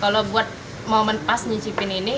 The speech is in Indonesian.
kalau buat momen pas nyicipin ini